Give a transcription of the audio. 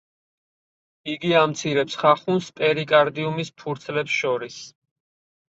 იგი ამცირებს ხახუნს პერიკარდიუმის ფურცლებს შორის.